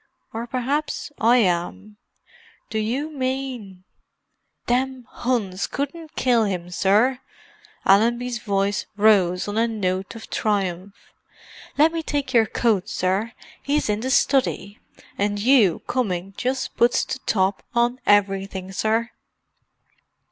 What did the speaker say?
"Or perhaps I am. Do you mean——" "Them 'Uns couldn't kill him, sir!" Allenby's voice rose on a note of triumph. "Let me take your coat, sir—'e's in the study. And you coming just puts the top on everything, sir!"